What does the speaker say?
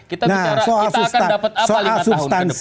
kita bicara kita akan dapat apa lima tahun ke depan